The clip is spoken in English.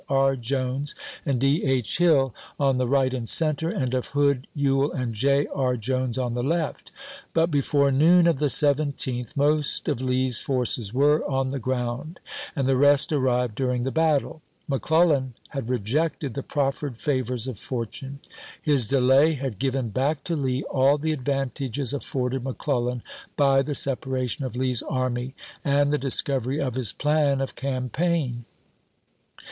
R. Jones and D. H. Hill on the right and center, and of Hood, Ewell, and J. E. Jones on the left. But before noon of the 17th most of Lee's forces were Sept., 1862. on the ground, and the rest arrived during the battle. McClellan had rejected the proffered favors of fortune. His delay had given back to Lee all the advantages afforded McClellan by the separa tion of Lee's army and the discovery of his plan of campaign.